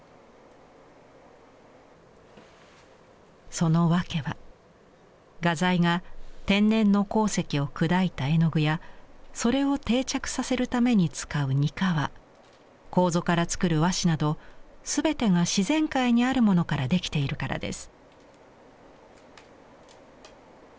その訳は画材が天然の鉱石を砕いた絵の具やそれを定着させるために使うにかわこうぞから作る和紙など全てが自然界にあるものから出来ているからです。